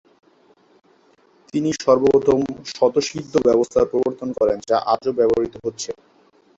তিনি সর্বপ্রথম স্বতঃসিদ্ধ ব্যবস্থার প্রবর্তন করেন যা আজও ব্যবহৃত হচ্ছে।